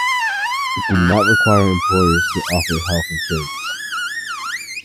It did not require employers to offer health insurance.